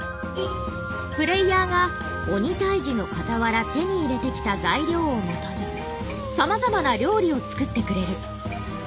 プレイヤーが鬼退治のかたわら手に入れてきた材料をもとにさまざまな料理を作ってくれる。